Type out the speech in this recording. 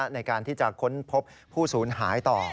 ในการที่จะค้นพบผู้สูญหายต่อ